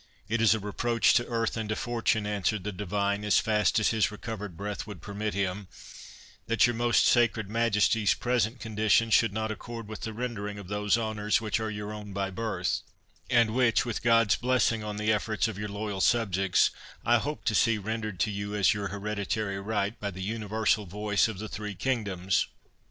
"It is a reproach to earth and to fortune," answered the divine, as fast as his recovered breath would permit him, "that your most sacred Majesty's present condition should not accord with the rendering of those honours which are your own by birth, and which, with God's blessing on the efforts of your loyal subjects, I hope to see rendered to you as your hereditary right, by the universal voice of the three kingdoms."